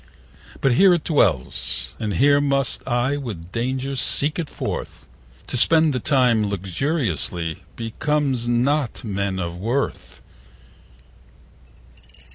But here it dwells, and here must I With danger seek it forth: To spend the time luxuriously 15 Becomes not men of worth.